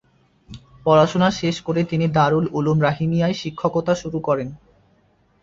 পড়াশোনা শেষ করে তিনি দারুল উলুম রাহিমিয়ায় শিক্ষকতা শুরু করেন।